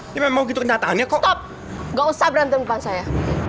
ini memang gitu kenyataannya kok gak usah berantem depan saya